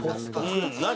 何？